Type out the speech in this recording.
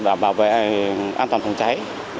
đảm bảo vệ an toàn phòng cháy